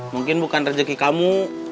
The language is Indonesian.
mungkin bukan rejeki kamu